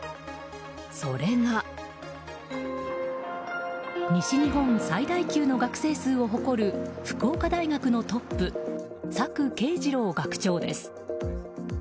それが、西日本最大級の学生数を誇る福岡大学のトップ朔啓二郎学長です。